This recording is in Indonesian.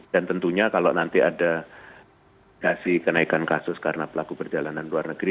dan tentunya kalau nanti ada kenaikan kasus karena pelaku perjalanan luar negeri